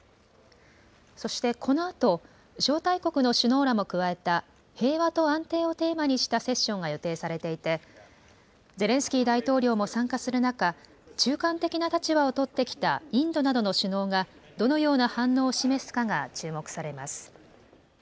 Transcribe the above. そしてこのあと、招待国の首脳らも加えた平和と安定をテーマにしたセッションが予定されていて、ゼレンスキー大統領も参加する中、中間的な立場を取ってきたインドなどの首脳が、どのような反応を示すかが注目されます。